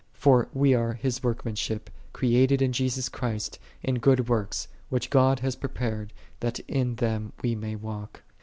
For we are His workmanship, created in Jesus Christ in good works, which God hath prepared, that in them we may walk."